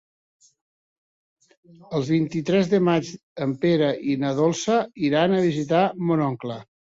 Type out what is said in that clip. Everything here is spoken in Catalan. El vint-i-tres de maig en Pere i na Dolça iran a visitar mon oncle.